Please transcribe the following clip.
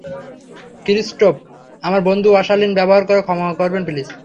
Christophe, আমার বন্ধুর অশালীন ব্যবহার ক্ষমা করবেন প্লিজ।